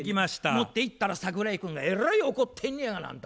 持っていったら桜井君がえらい怒ってんねやがなあんた。